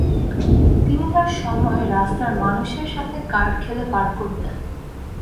তিনি তার সময় রাস্তার মানুষের সাথে কার্ড খেলে পার করতেন।